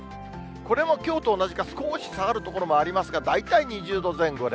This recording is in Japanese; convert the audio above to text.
これもきょうと同じか、少し下がる所もありますが、大体２０度前後で、